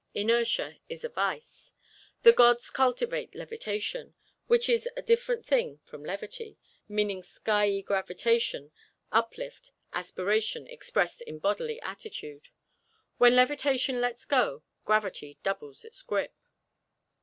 Inertia is a vice. The gods cultivate levitation, which is a different thing from levity, meaning skyey gravitation, uplift, aspiration expressed in bodily attitude. When levitation lets go, gravity doubles its grip.